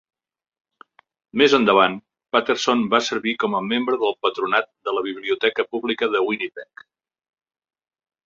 Més endavant, Patterson va servir com a membre del patronat de la biblioteca pública de Winnipeg.